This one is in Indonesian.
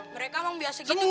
mereka emang biasa gitu bang